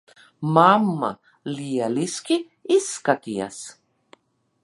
Mamma, lieliski izskaties.